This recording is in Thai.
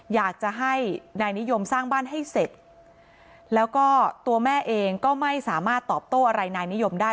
อยากจะให้นายนิยมสร้างบ้านให้เสร็จแล้วก็ตัวแม่เองก็ไม่สามารถตอบโต้อะไรนายนิยมได้